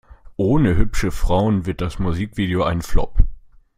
Ohne hübsche Frauen wird das Musikvideo ein Flop.